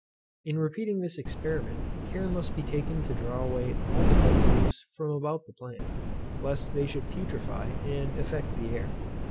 In repeating this experiment, care must be taken to draw away all the dead leaves from about the plant, lest they should putrefy, and affect the air.